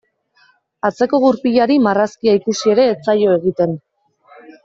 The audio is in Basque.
Atzeko gurpilari marrazkia ikusi ere ez zaio egiten.